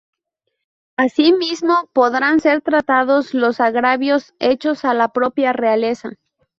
Asimismo, podrán ser tratados los agravios hechos a la propia realeza.